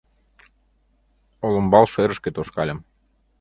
Олымбал шӧрышкӧ тошкальым.